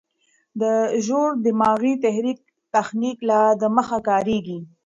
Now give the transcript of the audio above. د ژور دماغي تحريک تخنیک لا دمخه کارېږي.